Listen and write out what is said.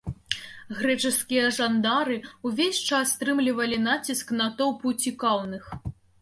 Грэчаскія жандары ўвесь час стрымлівалі націск натоўпу цікаўных.